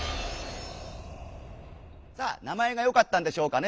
さあ名前がよかったんでしょうかね。